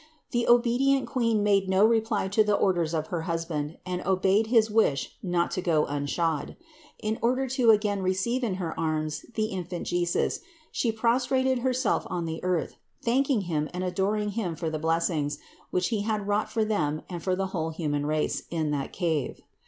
The obedient Queen made no reply to the orders of her husband and obeyed his wish not to go unshod. In order to again receive in her arms the Infant Jesus She prostrated Herself on the earth, thanking Him and adoring Him for the blessings, which He had wrought for them and for the whole human race in that cave.